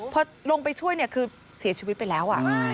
พอลงไปช่วยเนี่ยคือเสียชีวิตไปแล้ว